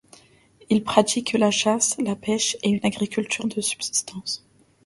Ils pratiquent la chasse, la pêche et une agriculture de subsistance.